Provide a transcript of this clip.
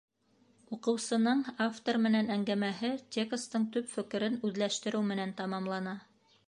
Уҡыусының автор менән әңгәмәһе текстың төп фекерен үҙләштереү менән тамамлана.